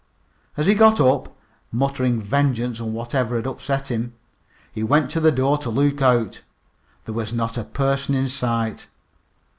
As he got up, muttering vengeance on whatever had upset him, he went to the door to look out. There was not a person in sight.